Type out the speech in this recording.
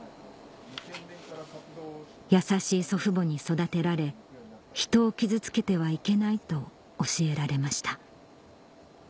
優しい祖父母に育てられ人を傷つけてはいけないと教えられました